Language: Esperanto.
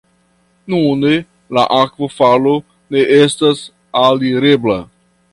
Nune la akvofalo ne estas alirebla.